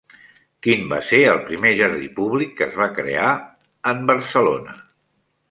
Quin va ser el primer jardí públic que es va crear en Barcelona?